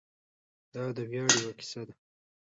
دا د ویاړ یوه کیسه ده.